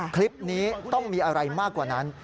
คลิปนี้ต้องมีอะไรมากกว่านั้น